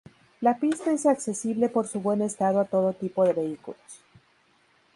La pista es accesible por su buen estado a todo tipo de vehículos.